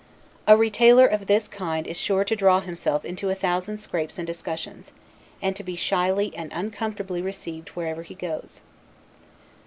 A retailer of this kind is sure to draw himself into a thousand scrapes and discussions, and to be shyly and uncomfortably received wherever he goes.